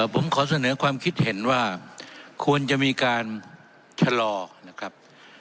ผมขอเสนอความคิดเห็นว่าควรจะมีการชะลอนะครับ